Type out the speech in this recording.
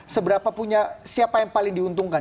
seberapa punya siapa yang paling diuntungkan